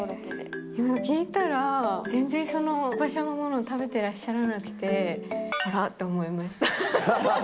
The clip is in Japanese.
聞いたら、場所のものを食べてらっしゃらなくて、あら？と思いました。